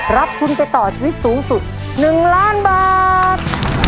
รับทุนไปต่อชีวิตสูงสุด๑ล้านบาท